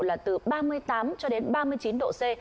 là từ ba mươi tám cho đến ba mươi chín độ c